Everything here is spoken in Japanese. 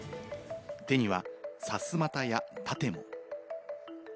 手には、さすまたや盾も。